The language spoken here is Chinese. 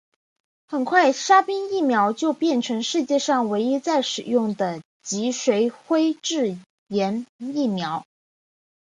很快沙宾疫苗就变成世界上唯一在使用的脊髓灰质炎疫苗。